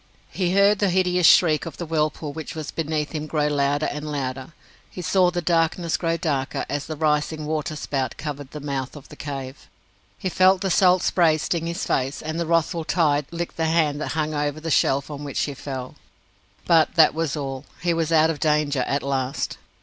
He heard the hideous shriek of the whirlpool which was beneath him grow louder and louder. He saw the darkness grow darker as the rising water spout covered the mouth of the cave. He felt the salt spray sting his face, and the wrathful tide lick the hand that hung over the shelf on which he fell. But that was all. He was out of danger at last!